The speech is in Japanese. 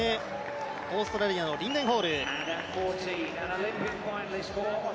オーストラリアのリンデン・ホール。